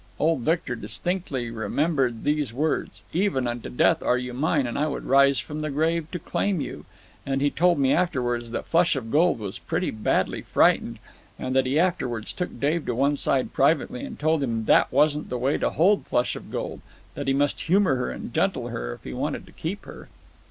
Old Victor distinctly remembered those words 'Even unto death are you mine, and I would rise from the grave to claim you.' And he told me afterwards that Flush of Gold was pretty badly frightened, and that he afterwards took Dave to one side privately and told him that that wasn't the way to hold Flush of Gold—that he must humour her and gentle her if he wanted to keep her.